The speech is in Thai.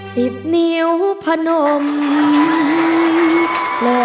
เกิดอะไรขึ้นทรัพย์